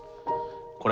これ。